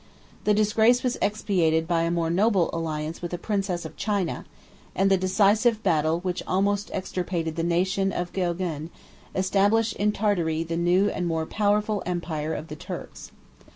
The disgrace was expiated by a more noble alliance with a princess of China; and the decisive battle which almost extirpated the nation of the Geougen, established in Tartary the new and more powerful empire of the Turks.